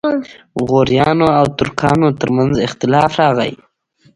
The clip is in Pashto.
غوریانو او ترکانو ترمنځ اختلاف راغی.